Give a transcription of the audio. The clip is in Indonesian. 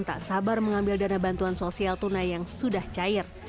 tak sabar mengambil dana bantuan sosial tunai yang sudah cair